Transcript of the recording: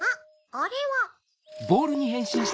あれは。